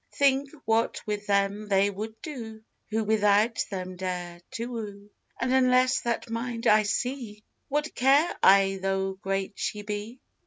Think what with them they would do Who without them dare to woo: And unless that mind I see, What care I tho' great she be?